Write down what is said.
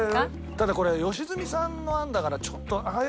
ただこれ良純さんの案だからちょっと怪しい。